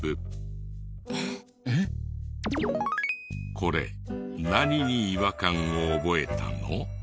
これ何に違和感を覚えたの？